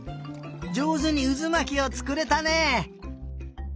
じょうずにうずまきをつくれたね！